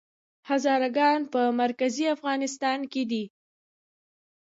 هزاره ګان په مرکزي افغانستان کې دي؟